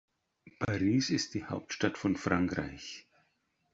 Paris ist die Hauptstadt von Frankreich.